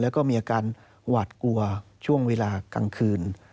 แล้วก็มีอาการหวาดกลัวช่วงเวลากลางคืน